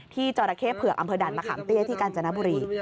ที่จรเคภะเผื่อกอำเภดันมะขามเตี้ยที่กาญจนบุรี